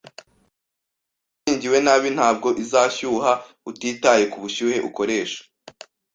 Niba ikingiwe nabi, ntabwo izashyuha utitaye ku bushyuhe ukoresha.